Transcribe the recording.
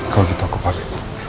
kalau gitu aku pake